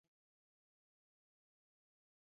څو چې د اورګاډي پل ته ورسېدو، څومره ښکلی پل.